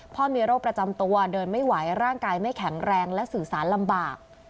มีโรคประจำตัวเดินไม่ไหวร่างกายไม่แข็งแรงและสื่อสารลำบาก